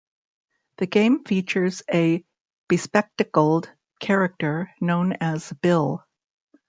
The game features a bespectacled character known as "Bill".